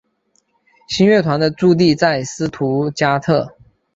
新乐团的驻地在斯图加特。